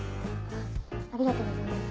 ありがとうございます。